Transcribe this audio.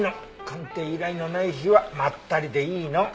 鑑定依頼のない日はまったりでいいの。